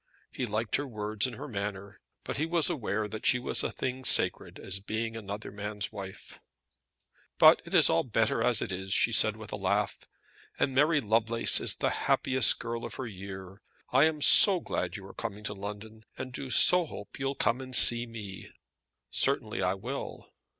He liked her words and her manner; but he was aware that she was a thing sacred as being another man's wife. "But it is all better as it is," she said with a laugh, "and Mary Lovelace is the happiest girl of her year. I am so glad you are coming to London, and do so hope you'll come and see me." "Certainly I will."